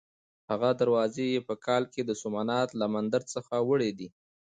هغه دروازې یې په کال کې د سومنات له مندر څخه وړې دي.